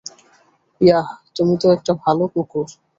Yeah, তুমি তো একটা ভালো কুকুর।